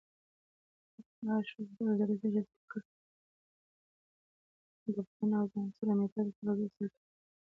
د بدن او ذهن سالمیت د تغذیې سره تړلی دی.